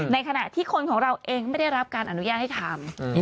ในขณะที่คนของเราเองไม่ได้รับการอนุญาตให้ทำ